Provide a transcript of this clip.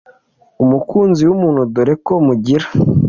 umukunzi wumuntu dore ko mugira